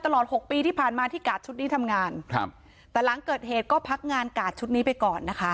หกปีที่ผ่านมาที่กาดชุดนี้ทำงานครับแต่หลังเกิดเหตุก็พักงานกาดชุดนี้ไปก่อนนะคะ